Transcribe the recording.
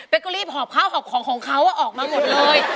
ก็รีบหอบข้าวหอบของของเขาออกมาหมดเลย